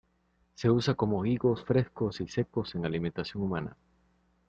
Se usa como higos frescos y secos en alimentación humana.